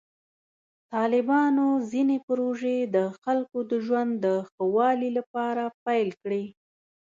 طالبانو ځینې پروژې د خلکو د ژوند د ښه والي لپاره پیل کړې.